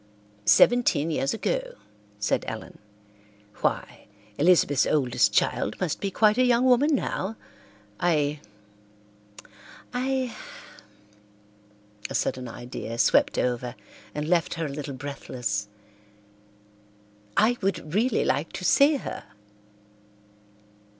"Seventeen years ago," said Ellen. "Why, Elizabeth's oldest child must be quite a young woman now! I—I—" a sudden idea swept over and left her a little breathless. "I would really like to see her."